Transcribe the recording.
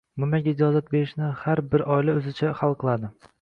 nimaga ijozat berishni har bir oila o‘zicha hal qiladi.